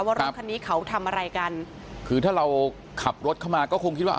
ว่ารถคันนี้เขาทำอะไรกันคือถ้าเราขับรถเข้ามาก็คงคิดว่า